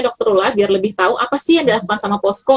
dokter lola biar lebih tahu apa sih yang terjadi di wilayahnya